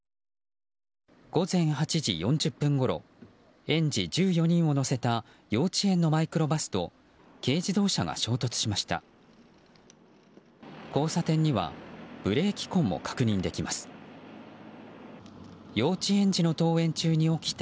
午前８時４０分ごろ園児１４人を乗せた幼稚園のマイクロバスと軽自動車が衝突しました。